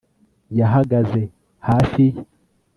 yahagaze hafi ye